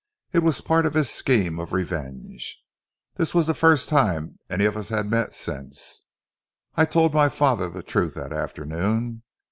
It was part of his scheme of revenge. This was the first time we had any of us met since. I told my father the truth that afternoon.